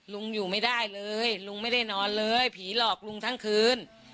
ลุงอยู่ไม่ได้เลยลุงไม่ได้นอนเลยผีหลอกลุงทั้งคืน